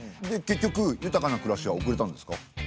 で結局豊かな暮らしは送れたんですか？